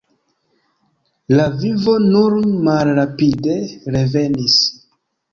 La vivo nur malrapide revenis.